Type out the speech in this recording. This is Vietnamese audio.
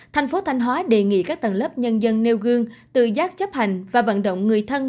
thành phố thanh hóa đề nghị các tầng lớp nhân dân nêu gương tự giác chấp hành và vận động người thân